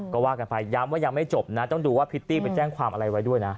ก็ว่ากันไปย้ำว่ายังไม่จบนะต้องดูว่าพิตตี้ไปแจ้งความอะไรไว้ด้วยนะ